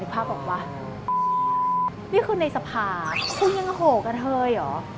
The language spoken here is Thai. พระบอกว่านี่คือในสภาคุณยังโหกระเทยเหรอ